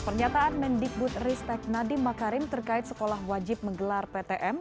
pernyataan mendikbud ristek nadiem makarim terkait sekolah wajib menggelar ptm